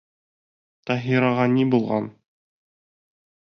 Таһираға ни булған?